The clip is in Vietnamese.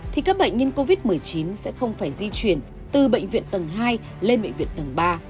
thì các bệnh nhân covid một mươi chín sẽ không phải di chuyển từ bệnh viện tầng hai lên bệnh viện tầng ba